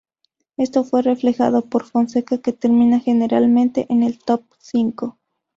Esto fue reflejado por Fonseca que termina generalmente en el top cinco.